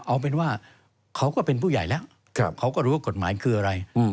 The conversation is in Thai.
เอาเป็นว่าเขาก็เป็นผู้ใหญ่แล้วเขาก็รู้ว่ากฎหมายคืออะไร